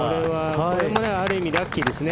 これもある意味ラッキーですね。